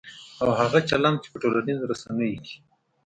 او هغه چلند چې په ټولنیزو رسنیو کې